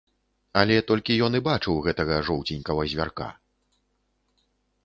Але толькі ён і бачыў гэтага жоўценькага звярка.